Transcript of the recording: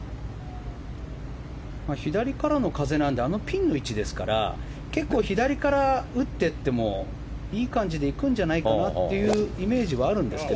左からの風なのであのピンの位置からですから結構、左から打っていってもいい感じでいくんじゃないかなというイメージはあるんですが。